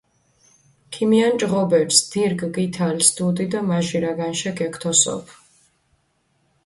ქიმიანჭჷ ღობერს, დირგჷ გითალს დუდი დო მაჟირა განშე გეგთოსოფჷ.